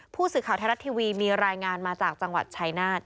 ผู้สื่อข่าวไทยรัฐทีวีมีรายงานมาจากจังหวัดชายนาฏ